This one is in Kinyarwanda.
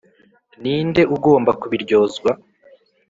Ni nde ugomba kubiryozwa